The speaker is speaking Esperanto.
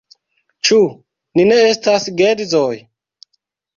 Ĉu ni ne estas geedzoj?